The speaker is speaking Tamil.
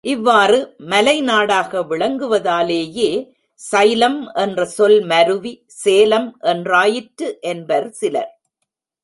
இவ்வாறு மலைநாடாக விளங்குவதாலேயே, சைலம் என்ற சொல் மருவி சேலம் என்றாயிற்று என்பர் சிலர்.